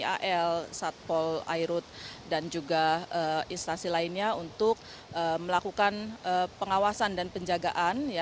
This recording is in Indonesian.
ial satpol airut dan juga instansi lainnya untuk melakukan pengawasan dan penjagaan ya